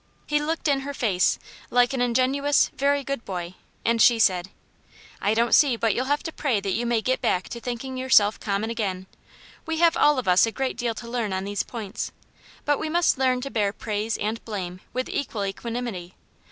'* He looked in her face like an ingenuous, very good boy, and she said :" I don't see but you'll have to pray that you may get back to thinking yourself common again. We have all of us a great deal to learn on these points, but we must learn to bear praise and blame with equal equanimity.